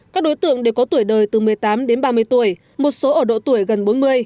các đối tượng đều có tuổi đời từ một mươi tám đến ba mươi tuổi một số ở độ tuổi gần bốn mươi